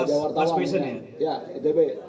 ini last person ya